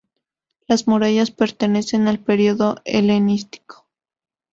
Las murallas pertenecen al periodo helenístico.